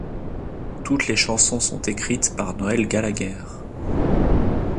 Toutes les chansons sont écrites par Noel Gallagher.